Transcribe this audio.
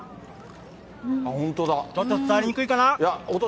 ちょっと伝わりにくいかな。